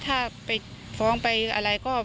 ถ้าไปฟ้องไปอะไรก็